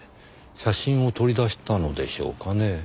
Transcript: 写真を取り出したのでしょうかね？